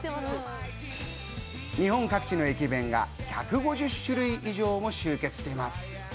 日本各地の駅弁が１５０種類以上も集結しています。